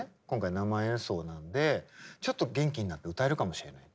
生演奏なのでちょっと元気になって歌えるかもしれない。